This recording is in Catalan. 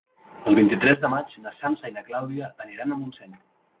El vint-i-tres de maig na Sança i na Clàudia aniran a Montseny.